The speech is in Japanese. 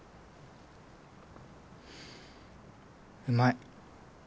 うまい。